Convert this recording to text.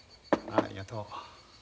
ありがとう。